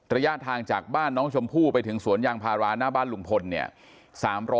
ระยะทางจากบ้านน้องชมพู่ไปถึงสวนยางพาราหน้าบ้านลุงพลเนี่ย